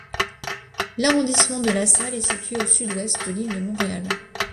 L'arrondissement de LaSalle est situé au sud-ouest de l'île de Montréal.